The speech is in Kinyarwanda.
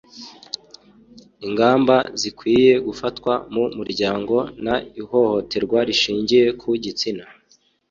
Ingamba zikwiye gufatwa mu muryango n ihohoterwa rishingiye ku gitsina